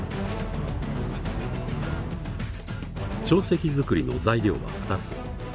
硝石作りの材料は２つ。